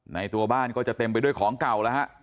ตัวบ้านก็จะเต็มไปด้วยของเก่าแล้วฮะ